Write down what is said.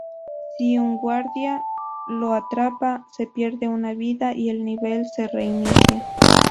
Si un guardia lo atrapa, se pierde una vida y el nivel se reinicia.